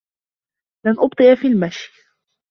لَنْ أُبْطِئَ فِي الْمَشْي.